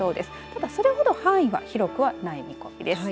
ただ、それほど範囲が広くはない見込みです。